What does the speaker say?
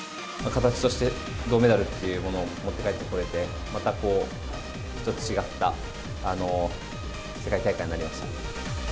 形として銅メダルっていうものを持って帰ってこれて、またこう、一つ違った世界大会になりま